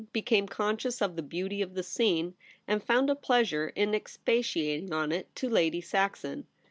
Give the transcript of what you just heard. became conscious of the beauty of the scene, and found a pleasure in expatiating on it to Lady Saxon.